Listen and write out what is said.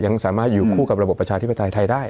ยังสามารถอยู่คู่กับระบบประชาธิปไตยไทยได้